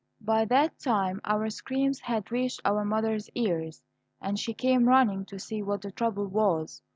By that time our screams had reached our mother's ears, and she came running to see what the trouble was.